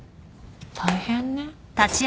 大変ね。